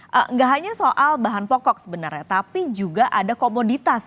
tidak hanya soal bahan pokok sebenarnya tapi juga ada komoditas